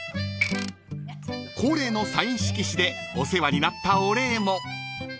［恒例のサイン色紙でお世話になったお礼も］